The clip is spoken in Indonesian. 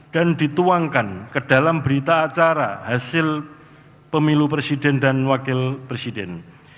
dan dituangkan ke dalam berita acara hasil pemilu presiden dan wakil presiden